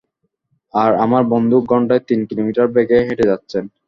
আর আমার বন্ধু ঘণ্টায় তিন কিলোমিটার বেগে হেঁটে যাচ্ছেন।